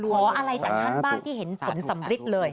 ขออะไรจากฉันป่าวที่เห็นสลนสำริกเลย